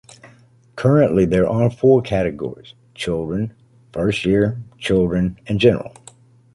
Currently there are four categories: children, "first year", "children" and general.